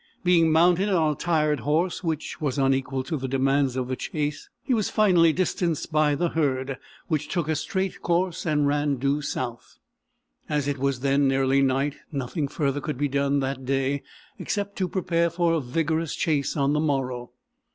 Being mounted on a tired horse, which was unequal to the demands of the chase, he was finally distanced by the herd, which took a straight course and ran due south. As it was then nearly night, nothing further could be done that day except to prepare for a vigorous chase on the morrow.